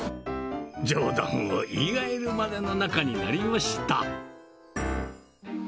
冗談を言い合えるまでの仲になりました。